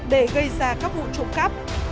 để gây ra các vụ trộm cắp